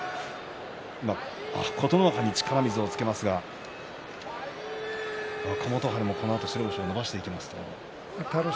琴ノ若に力水をつけますが若元春もこのあと白星を伸ばしていきますと。